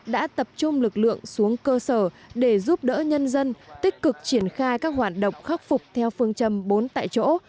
đã tập trung lực lượng xuống cơ sở để giúp đỡ nhân dân tích cực triển khai các hoạt động khắc phục theo phương châm bốn tại chỗ